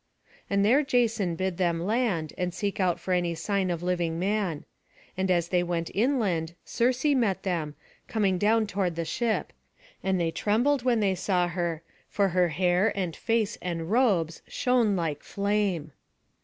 And there Jason bid them land, and seek about for any sign of living man. And as they went inland, Circe met them, coming down toward the ship; and they trembled when they saw her; for her hair, and face, and robes, shone like flame.